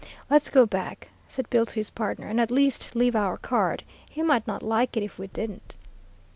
"'Let's go back,' said Bill to his pardner, 'and at least leave our card. He might not like it if we didn't.'